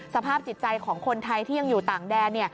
สภาพจิตใจของคนไทยที่ยังอยู่ต่างแดน